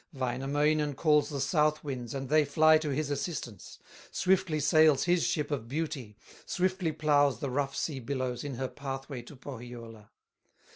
Wainamoinen calls the South winds, And they fly to his assistance; Swiftly sails his ship of beauty, Swiftly plows the rough sea billows In her pathway to Pohyola.